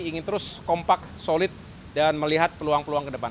ingin terus kompak solid dan melihat peluang peluang ke depan